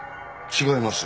違います。